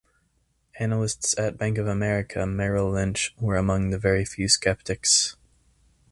Analysts at Bank of America Merrill Lynch were among the very few skeptics.